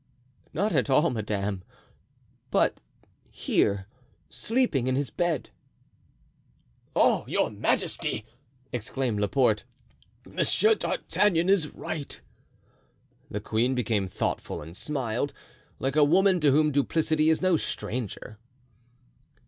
"Not at all, madame, but here, sleeping in his bed." "Oh, your majesty," exclaimed Laporte, "Monsieur d'Artagnan is right." The queen became thoughtful and smiled, like a woman to whom duplicity is no stranger.